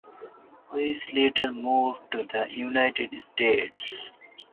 Reiss later moved to the United States.